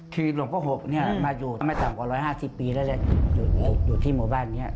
คือหลวงพ่อหกมาอยู่ไม่ตั้งกว่า๑๕๐ปีแล้วอยู่ที่หมู่บ้านนี้